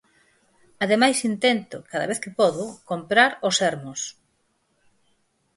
Ademais intento, cada vez que podo, comprar o Sermos.